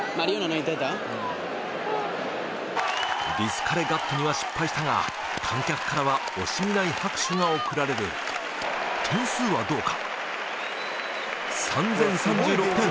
ディスカレガットには失敗したが観客からは惜しみない拍手が送られる点数はどうか？